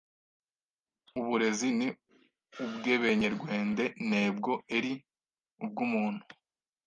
uburezi ni ubw’ebenyerwende ntebwo eri ubw’umuntu